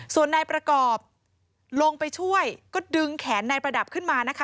ส่วนนายประกอบลงไปช่วยก็ดึงแขนนายประดับขึ้นมานะคะ